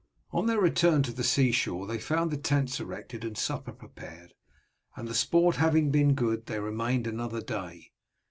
On their return to the sea shore they found the tents erected and supper prepared, and the sport having been good they remained another day.